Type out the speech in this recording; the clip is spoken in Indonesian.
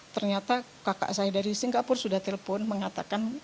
ternyata kakak saya dari singapura sudah telpon mengatakan